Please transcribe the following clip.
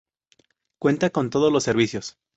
Cuenta con todos los servicios.